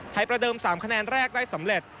ประเดิม๓คะแนนแรกได้สำเร็จ